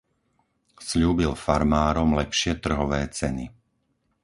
Sľúbil farmárom lepšie trhové ceny.